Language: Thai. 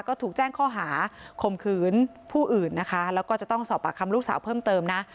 ก็ถูกแจ้งข้อหาข่มขืนผู้อื่นนะคะแล้วก็จะต้องสอบปากคำลูกสาวเพิ่มเติมนะ